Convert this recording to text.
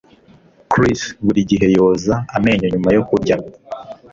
Chris buri gihe yoza amenyo nyuma yo kurya